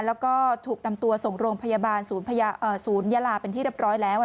แล้วก็ถูกนำตัวส่งโรงพยาบาลศูนยาลาเป็นที่เรียบร้อยแล้ว